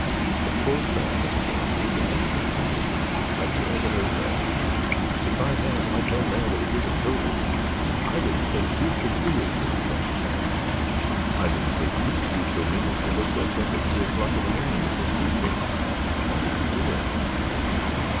"A cold bath in the morning is an excellent tonic. Hadn't you ever heard that?" "If I had I'd know now that it isn't true. I didn't think you could be as mean as that, Tad." "I didn't think you could be so mean as to wake us up at three o'clock in the morning with your screeching. Why did you do it?"